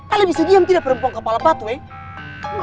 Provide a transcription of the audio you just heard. ala bisa diam tidak perempuan kepala batu eh